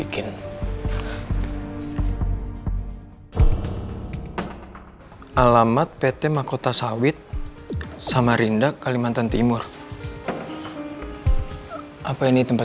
kalau mau ketemu sama kamu